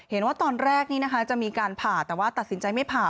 เห็นว่าตอนแรกนี้นะคะจะมีการผ่าแต่ว่าตัดสินใจไม่ผ่า